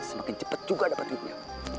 semakin cepat juga dapat duitnya